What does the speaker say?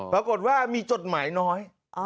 ปรากฏว่ามีจดหมายน้อย